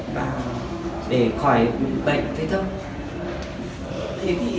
và để khỏi bệnh thế thôi